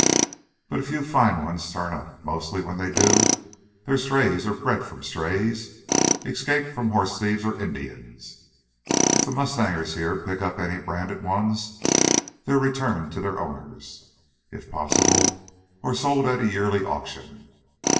But a few fine ones turn up. Mostly when they do they're strays or bred from strays—escaped from horse thieves or Indians. If the mustangers here pick up any branded ones, they're returned to the owners, if possible, or sold at a yearly auction.